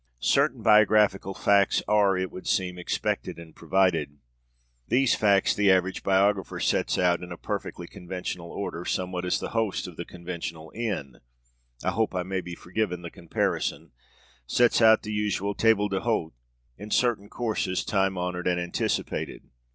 Certain biographical facts are, it would seem, expected and provided. These facts the average biographer sets out in a perfectly conventional order, somewhat as the host of the conventional inn I hope I may be forgiven the comparison sets out the usual table d'hôte in certain courses time honored and anticipated.